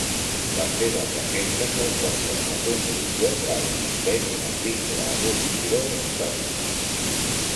Les seves recerques el porten a la conclusió que existeix una triple evolució històrica.